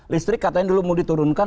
listrik katanya dulu mau diturunkan